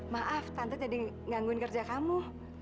maaf tante jadi gangguin kerja kamu